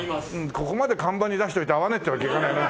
ここまで看板に出しておいて合わないってわけにいかないな。